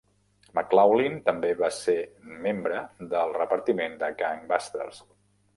MacLaughlin també va ser membre del repartiment de "Gang Busters".